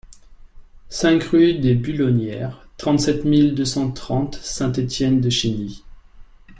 cinq rue des Bulonnières, trente-sept mille deux cent trente Saint-Étienne-de-Chigny